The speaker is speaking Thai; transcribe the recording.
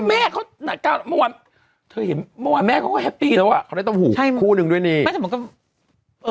เมื่อวานแม่เขาก็แฮปปี้แล้วเขาได้ต้องหูคู่หนึ่งด้วยนี่